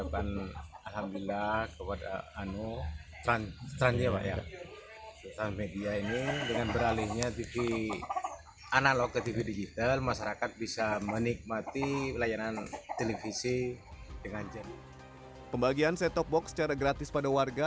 pembagian set top box secara gratis pada warga